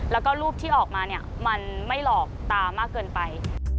แล้วก็รูปที่ออกมาเนี่ยมันไม่หลอกตามากเกินไป